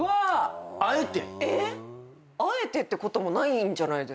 あえてってこともないんじゃないですか？